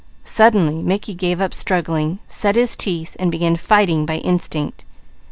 Suddenly Mickey gave up struggling, set his teeth, and began fighting by instinct.